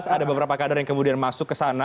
ada beberapa kader yang kemudian masuk ke sana